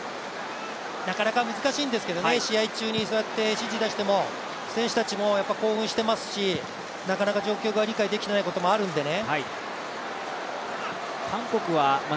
なかなか難しいんですけどね、試合中に指示出しても、選手たちも興奮してますしなかなか状況が理解できていないこともあるんでね。